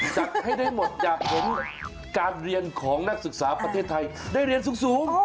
จัดให้ได้หมดอยากเห็นการเรียนของนักศึกษาประเทศไทยได้เรียนสูง